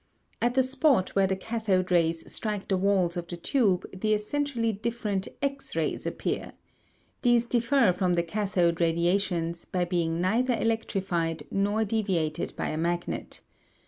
At the spot where the cathode rays strike the walls of the tube the essentially different X rays appear. These differ from the cathode radiations by being neither electrified nor deviated by a magnet.